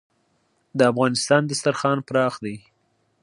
د افغانستان دسترخان پراخ دی